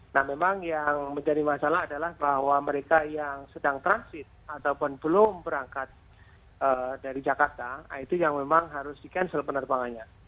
nah memang yang menjadi masalah adalah bahwa mereka yang sedang transit ataupun belum berangkat dari jakarta itu yang memang harus di cancel penerbangannya